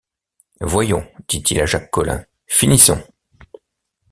Voyons, dit-il à Jacques Collin, finissons!